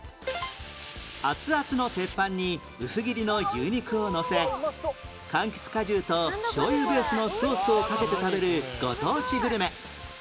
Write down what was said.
熱々の鉄板に薄切りの牛肉をのせ柑橘果汁としょうゆベースのソースをかけて食べるご当地グルメ